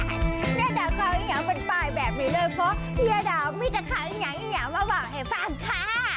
ย่าดาวข้าวอินยังเป็นปลายแบบนี้เลยเพราะย่าดาวมีแต่ข้าวอินยังอินยังมาบอกให้ฟังค่ะ